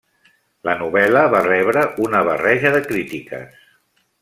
La novel·la va rebre una barreja de crítiques.